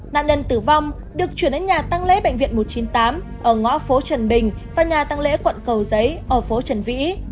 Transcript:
nạn nhân tử vong được chuyển đến nhà tăng lễ bệnh viện một trăm chín mươi tám ở ngõ phố trần bình và nhà tăng lễ quận cầu giấy ở phố trần vĩ